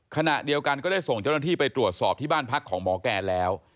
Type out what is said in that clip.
ขณะเดียวกันก็ได้ส่งเจ้าหน้าที่ไปตรวจสอบที่บ้านพักของหมอแกนแล้ว